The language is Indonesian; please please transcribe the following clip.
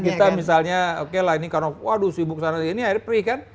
kita misalnya oke lah ini karena waduh sibuk sangat ini akhirnya perih kan